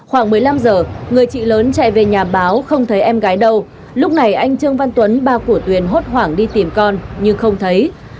hôm giờ người chị lớn chạy về nhà báo không thấy em gái đâu lúc này anh trương văn tuấn ba của tuyền hốt hoảng đi tìm con nhưng không thấy